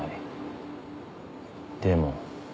でも。